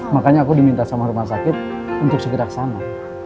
makanya aku diminta sama rumah sakit untuk segera kesana